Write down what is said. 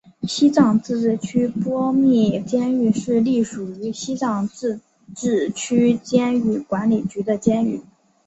西藏自治区波密监狱是隶属于西藏自治区监狱管理局的监狱。